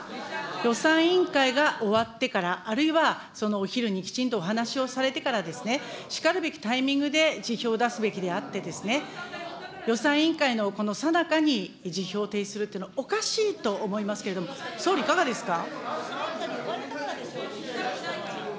予算委員会が終わってから、あるいはそのお昼にきちんとお話をされてからですね、しかるべきタイミングで辞表を出すべきであってですね、予算委員会のこのさなかに辞表を提出するっていうの、おかしいと思いますけれども、総理、いかがですか。